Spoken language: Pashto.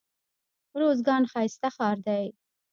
روزګان ښايسته ښار دئ.